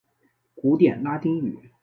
古典拉丁语。